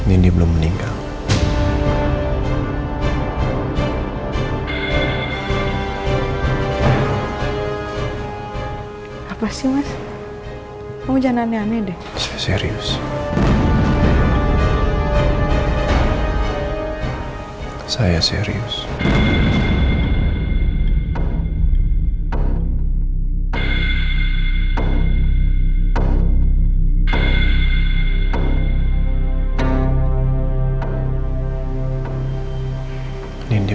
ini mungkin buddhist diangkar